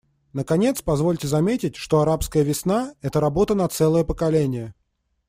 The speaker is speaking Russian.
Наконец, позвольте заметить, что «арабская весна» — это работа на целое поколение.